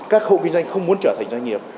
các hộ kinh doanh không muốn trở thành doanh nghiệp